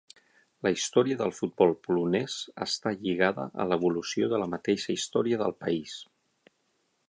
La història del futbol polonès està lligada a l'evolució de la mateixa història del país.